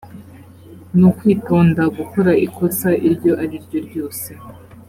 nukwitonda gukora ikosa iryo ari ryo ryose .